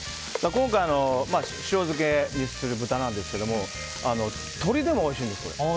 今回、塩漬けにする豚なんですが鶏でもおいしいんです。